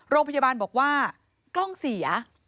โรงพยาบาลบอกว่ากล้องเสีย